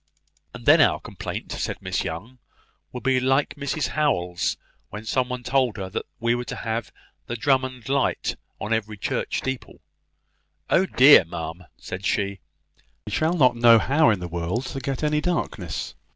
"And then our complaint," said Miss Young, "will be like Mrs Howell's, when somebody told her that we were to have the Drummond light on every church steeple. `Oh dear, ma'am!' said she, `we shall not know how in the world to get any darkness.'"